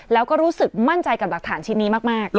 แล้วก็รู้สึกมั่นใจกับหลักฐานชิ้นนี้มาก